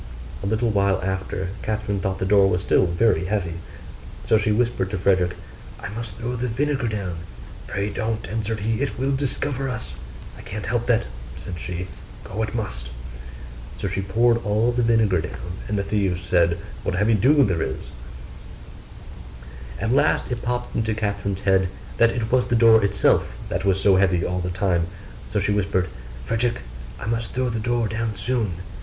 A little while after, Catherine thought the door was still very heavy: so she whispered to Frederick, 'I must throw the vinegar down.' 'Pray don't,' answered he, 'it will discover us.' 'I can't help that,' said she, 'go it must.' So she poured all the vinegar down; and the thieves said, 'What a heavy dew there is!' At last it popped into Catherine's head that it was the door itself that was so heavy all the time: so she whispered, 'Frederick, I must throw the door down soon.